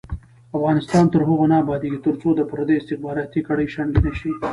افغانستان تر هغو نه ابادیږي، ترڅو د پردیو استخباراتي کړۍ شنډې نشي.